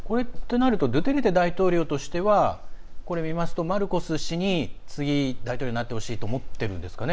ドゥテルテ大統領としてはマルコス氏に次、大統領になってほしいと思ってるんですかね。